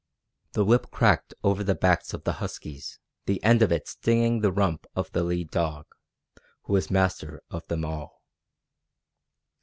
The whip cracked over the backs of the huskies, the end of it stinging the rump of the lead dog, who was master of them all.